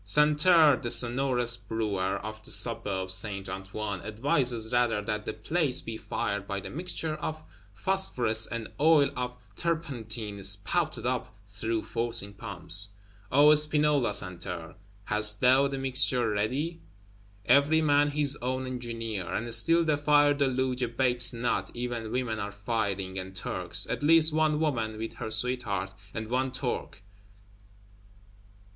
Santerre, the sonorous Brewer of the Suburb Saint Antoine, advises rather that the place be fired by a "mixture of phosphorus and oil of turpentine spouted up through forcing pumps." O Spinola Santerre, hast thou the mixture ready? Every man his own engineer! And still the fire deluge abates not; even women are firing, and Turks; at least one woman (with her sweetheart), and one Turk.